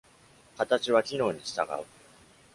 形は機能に従う。